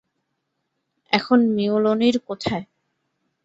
এখন, মিওলনির কোথায়?